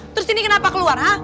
terus ini kenapa keluar